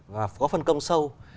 và có phân công sâu